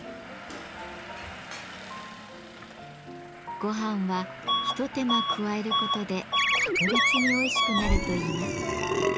ごはんは一手間加えることで格別においしくなるといいます。